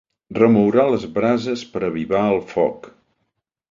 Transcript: Remourà les brases per avivar el foc.